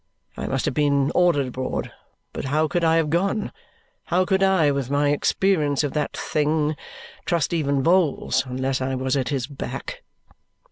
I must have been ordered abroad, but how could I have gone? How could I, with my experience of that thing, trust even Vholes unless I was at his back!"